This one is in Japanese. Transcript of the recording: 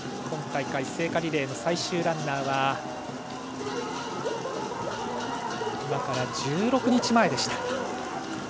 今大会、聖火リレーの最終ランナーは今から１６日前でした。